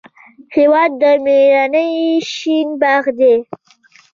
هېواد د میړانې شین باغ دی.